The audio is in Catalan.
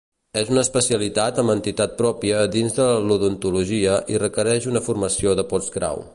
És una especialitat amb entitat pròpia dins de l'odontologia i requereix una formació de postgrau.